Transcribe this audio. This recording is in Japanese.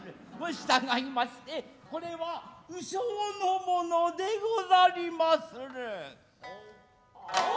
従いましてこれは鵜匠のものでござりまする。